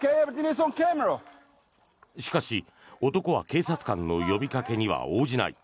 しかし、男は警察官の呼びかけには応じない。